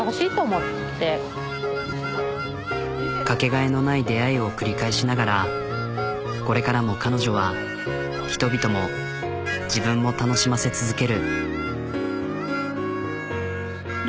かけがえのない出会いを繰り返しながらこれからも彼女は人々も自分も楽しませ続ける。